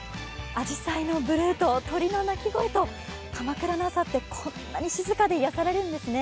あじさいのブルーと鳥の鳴き声と鎌倉の朝ってこんなに静かで癒されるんですね。